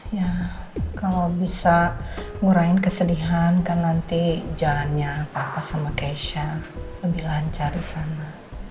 ya kalo bisa ngurahin kesedihan kan nanti jalannya papa sama keisha lebih lancar disana